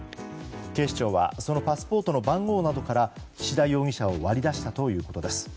警視庁はそのパスポートの番号などから岸田容疑者を割り出したということです。